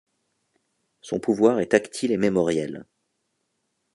Son pouvoir est tactile et mémoriel.